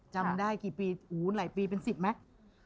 จำได้กี่ปีหลายปีเป็นสิบไหม